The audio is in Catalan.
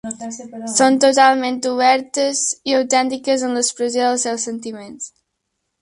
Són totalment obertes i autentiques en l'expressió dels seus sentiments.